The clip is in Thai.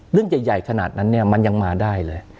เรื่องใหญ่ขนาดนั้นเนี่ยมันยังมาได้เลย